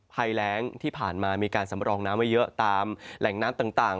ภัยแรงที่ผ่านมามีการสำรองน้ำไว้เยอะตามแหล่งน้ำต่าง